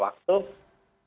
itu sudah waktu